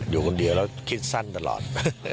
อยู่คนเดียวแล้วคิดสั้นตลอด